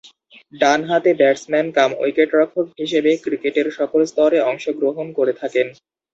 ডানহাতি ব্যাটসম্যান কাম উইকেট-রক্ষক হিসেবে ক্রিকেটের সকল স্তরে অংশগ্রহণ করে থাকেন।